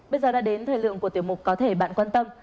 bây giờ đã đến thời lượng của tiểu mục có thể bạn quan tâm